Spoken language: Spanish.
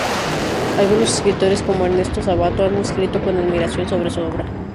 Algunos escritores, como Ernesto Sabato, han escrito con admiración sobre su obra.